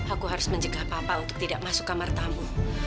aku harus mencegah papa untuk tidak masuk kamar tamu